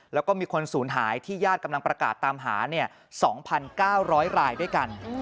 แล้วก็มีคนศูนย์หายที่ญาติกำลังประกาศตามหา๒๙๐๐รายด้วยกัน